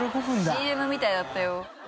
ＣＭみたいだったよ。